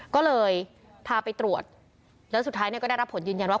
ก็เลยพาไปตรวจแล้วสุดท้ายเนี่ยก็ได้รับผลยืนยันว่า